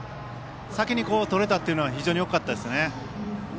先に取れたというのは非常に大きかったですね。